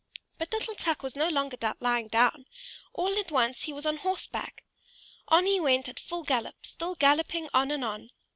But little Tuk was no longer lying down: all at once he was on horseback. On he went at full gallop, still galloping on and on.